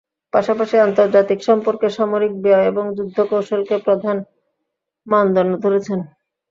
পাশাপাশি আন্তর্জাতিক সম্পর্কে সামরিক ব্যয় এবং যুদ্ধ-কৌশলকে প্রধান মানদণ্ড ধরেছেন।